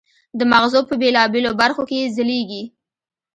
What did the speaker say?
د مغزو په بېلابېلو برخو کې یې ځلېږي.